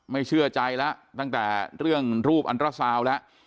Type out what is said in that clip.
เชื่อใจแล้วตั้งแต่เรื่องรูปอันตราซาวแล้ว